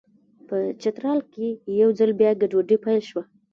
په چترال کې یو ځل بیا ګډوډي پیل شوه.